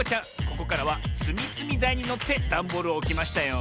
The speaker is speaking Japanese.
ここからはつみつみだいにのってダンボールをおきましたよ。